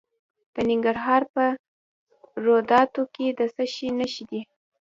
د ننګرهار په روداتو کې د څه شي نښې دي؟